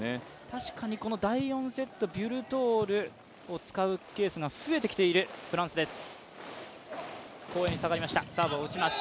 確かにこの第４セットこのビュルトールを使うケースが増えてきているフランスです。